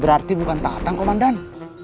berarti bukan tatang komandan